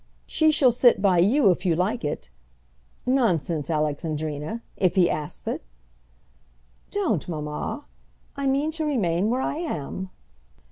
She shall sit by you, if you like it. Nonsense, Alexandrina, if he asks it!" "Don't, mamma; I mean to remain where I am."